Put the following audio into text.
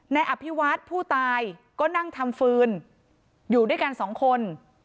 อภิวัฒน์ผู้ตายก็นั่งทำฟืนอยู่ด้วยกันสองคน